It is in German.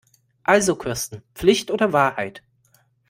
Also Kirsten, Pflicht oder Wahrheit?